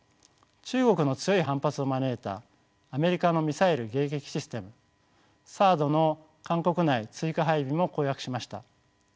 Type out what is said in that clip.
中国の強い反発を招いたアメリカのミサイル迎撃システムＴＨＡＡＤの韓国内追加配備も公約しました。